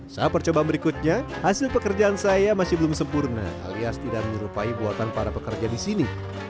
saat percobaan berikutnya hasil pekerjaan saya masih belum sempurna alias tidak menyerupai buatan para pekerja di sini